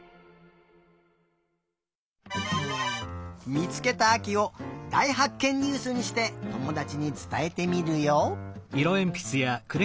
みつけたあきをだいはっけんニュースにしてともだちにつたえてみるよ。